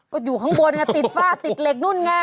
ก็อยู่ข้างบนไงติดฝ้าติดเหล็กนู่นไง